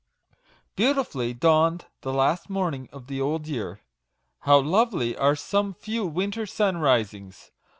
BEAUTIFULLY dawned the last morning of the old year. How lovely are some few winter sunrisings